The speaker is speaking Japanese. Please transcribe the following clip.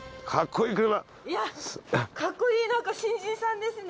いやかっこいいなんか新人さんですね。